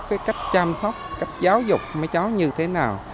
cái cách chăm sóc cách giáo dục mấy cháu như thế nào